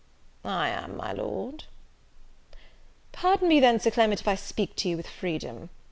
"I am, my Lord." "Pardon me, then, Sir Clement, if I speak to you with freedom.